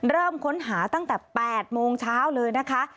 เริ่มค้นหาตั้งแต่๘โมงเช้าเลยนะคะ